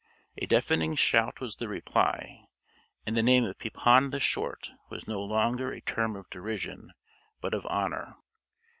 A deafening shout was the reply, and the name of "Pepin the Short" was no longer a term of derision but of honor.